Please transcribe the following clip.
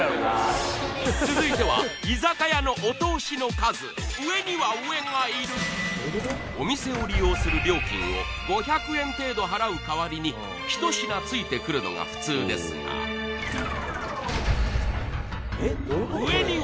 続いてはがいるお店を利用する料金を５００円程度払う代わりに１品ついてくるのが普通ですがえっどういうこと？